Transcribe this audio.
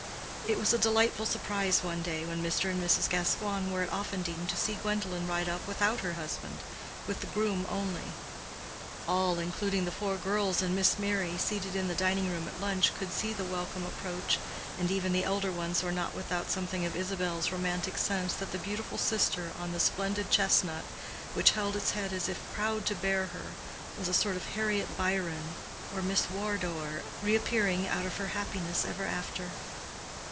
It was a delightful surprise one day when Mr. and Mrs. Gascoigne were at Offendene to see Gwendolen ride up without her husband—with the groom only. All, including the four girls and Miss Merry, seated in the dining room at lunch, could see the welcome approach; and even the elder ones were not without something of Isabel's romantic sense that the beautiful sister on the splendid chestnut, which held its head as if proud to bear her, was a sort of Harriet Byron or Miss Wardour reappearing out of her "happiness ever after."